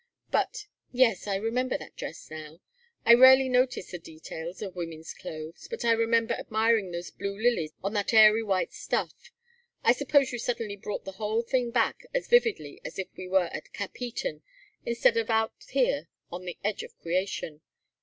But yes, I remember that dress now I rarely notice the details of women's clothes but I remember admiring those blue lilies on that airy white stuff I suppose you suddenly brought the whole thing back as vividly as if we were at Capheaton instead of out here on the edge of creation.